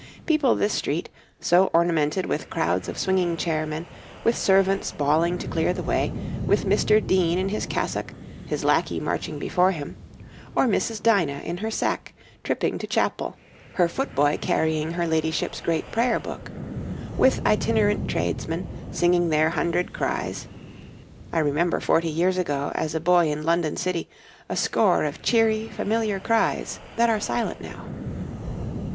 People this street, so ornamented with crowds of swinging chairmen, with servants bawling to clear the way, with Mr. Dean in his cassock, his lacquey marching before him; or Mrs. Dinah in her sack, tripping to chapel, her footboy carrying her ladyship's great prayer book; with itinerant tradesmen, singing their hundred cries (I remember forty years ago, as a boy in London city, a score of cheery, familiar cries that are silent now).